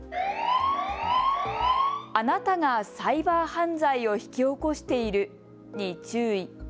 あなたがサイバー犯罪を引き起こしているに注意。